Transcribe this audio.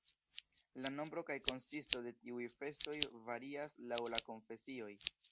La nombro kaj konsisto de tiuj festoj varias laŭ la konfesioj.